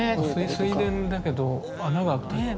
水田だけど穴が。